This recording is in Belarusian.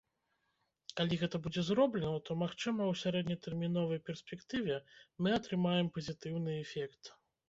Калі гэта будзе зроблена, то, магчыма, у сярэднетэрміновай перспектыве мы атрымаем пазітыўны эфект.